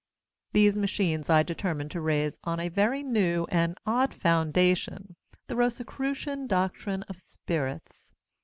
These Machines I determined to raise on a very new and odd foundation, the Rosicrucian doctrine of Spirits.